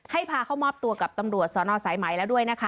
พาเข้ามอบตัวกับตำรวจสอนอสายไหมแล้วด้วยนะคะ